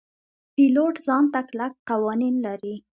پیلوټ ځان ته کلک قوانین لري.